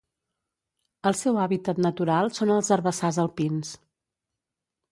El seu hàbitat natural són els herbassars alpins.